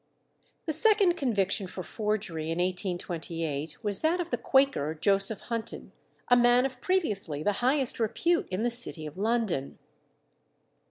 The second conviction for forgery in 1828 was that of the Quaker Joseph Hunton, a man of previously the highest repute in the city of London.